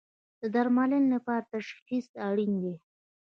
د درملنې لپاره تشخیص اړین دی